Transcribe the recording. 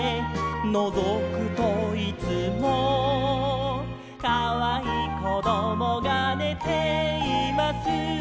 「のぞくといつも」「かわいいこどもがねています」